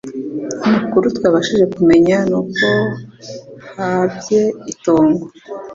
amakuru twabashije kumenya ni uko haabye itongo